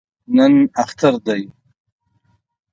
نن اختر دی